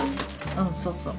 うんそうそう。